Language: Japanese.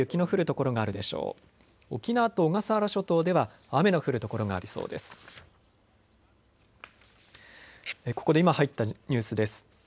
ここで今入ったニュースです。